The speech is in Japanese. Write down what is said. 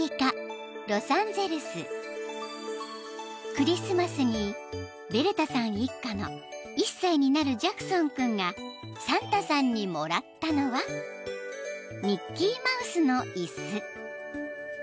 ［クリスマスにベレタさん一家の１歳になるジャクソン君がサンタさんにもらったのはミッキーマウスの椅子］